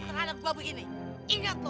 engga lo terhadap gue begini ingat lo